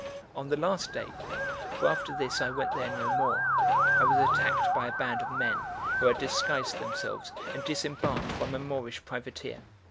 On the last day (for after this I went there no more) I was attacked by a band of men, who had disguised themselves, and disembarked from a Moorish privateer.